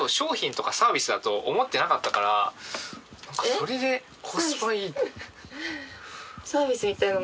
それで「コスパいい」